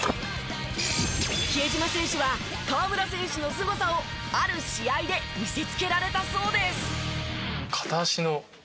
比江島選手は河村選手のすごさをある試合で見せつけられたそうです。